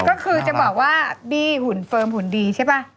ก็คือจะบอกว่าบี้หุ่นเฟิร์มหุ่นดีใช่ป่ะ